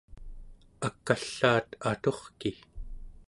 ak'allaat aturki